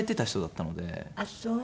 ああそう！